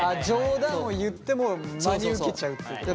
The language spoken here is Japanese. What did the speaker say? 冗談を言っても真に受けちゃうってことね。